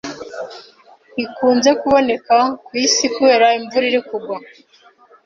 ntikunze kuboneka ku isi kubera imvura irikugwa